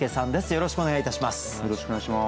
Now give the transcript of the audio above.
よろしくお願いします。